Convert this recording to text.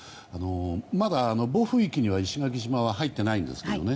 まだ暴風域には石垣島は入っていないんですけどね